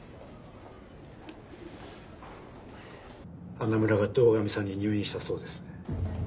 花村が堂上さんに入院したそうですね。